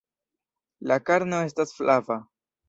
La karno estas flava.